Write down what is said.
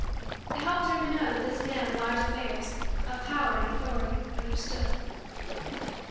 It helped her to know that this man of large affairs, of power and authority, understood.